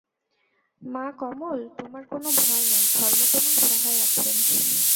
মা কমল, তোমার কোনো ভয় নাই, ধর্ম তোমার সহায় আছেন।